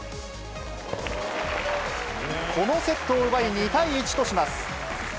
このセットを奪い、２対１とします。